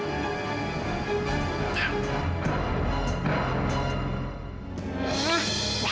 tidak ada apa apa